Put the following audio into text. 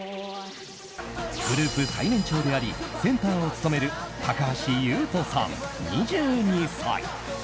グループ最年長でありセンターを務める高橋優斗さん、２２歳。